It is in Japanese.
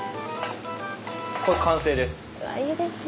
これ完成です。